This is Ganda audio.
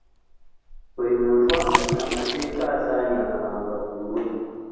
Buli muntu amenya amateeka asaanye akangavvulwe.